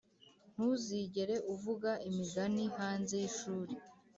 ntuzigere uvuga imigani hanze yishuri